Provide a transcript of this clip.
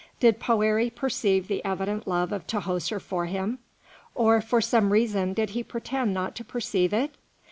Did Poëri perceive the evident love of Tahoser for him? Or for some secret reason, did he pretend not to perceive it?